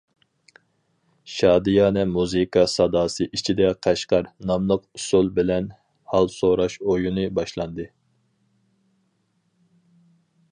شادىيانە مۇزىكا ساداسى ئىچىدە« قەشقەر» ناملىق ئۇسۇل بىلەن ھال سوراش ئويۇنى باشلاندى.